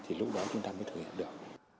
thì lúc đó chúng ta mới thể hiện được